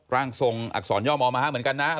ร่างทรงอักษรย่อมอม้าเหมือนกันนะ